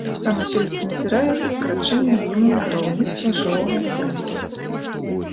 Таксама сёлета назіраецца скарачэнне аб'ёмаў будаўніцтва жылога фонду.